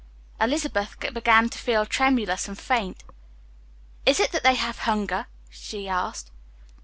Elizabeth began to feel tremulous and faint. "Is it that they have hunger?" she asked.